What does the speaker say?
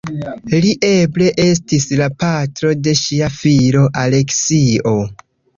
Li eble estis la patro de ŝia filo Aleksio.